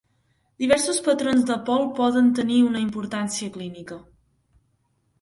Diversos patrons de pol poden tenir una importància clínica.